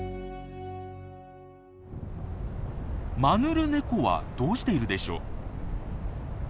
マヌルネコはどうしているでしょう？